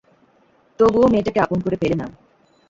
তবুও মেয়েটাকে আপন করে পেলে না।